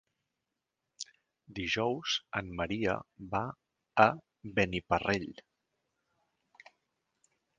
Dijous en Maria va a Beniparrell.